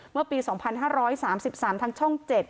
เมื่อปี๒๕๓๓ทางช่อง๗